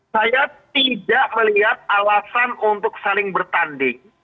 saya tidak melihat alasan untuk saling bertanding